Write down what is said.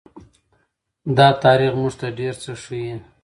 دا تاریخ موږ ته ډېر څه ښيي.